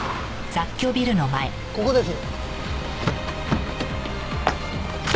ここです。